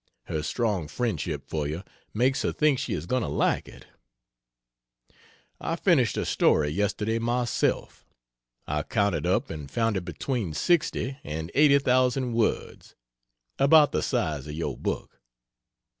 Her strong friendship for you makes her think she is going to like it. I finished a story yesterday, myself. I counted up and found it between sixty and eighty thousand words about the size of your book.